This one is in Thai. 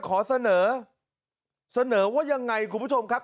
ขอเสนอเสนอว่ายังไงคุณผู้ชมครับ